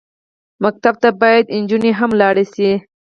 ښوونځی ته باید نجونې هم لاړې شي